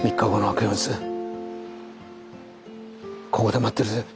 ここで待ってるぜ。